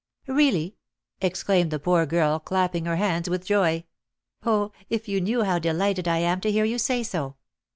"Really!" exclaimed the poor girl, clapping her hands with joy. "Oh, if you knew how delighted I am to hear you say so!